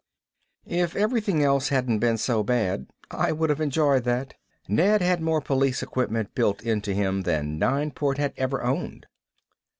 If everything else hadn't been so bad I would have enjoyed that. Ned had more police equipment built into him than Nineport had ever owned.